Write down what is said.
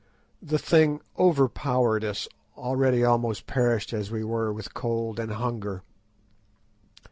The thing overpowered us, already almost perished as we were with cold and hunger.